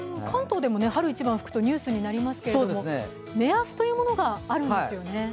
関東でも春一番が吹くとニュースになりますけども目安というものがあるんですよね。